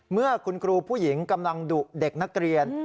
เมื่อคุณครูผู้หญิงกำลังดุเด็กนักเรียน